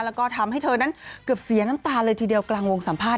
แล้วก็ทำให้เธอนั้นเกือบเสียน้ำตาเลยทีเดียวกลางวงสัมภาษณ